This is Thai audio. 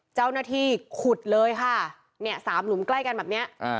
เจ้าหน้าที่ขุดเลยค่ะเนี่ยสามหลุมใกล้กันแบบเนี้ยอ่า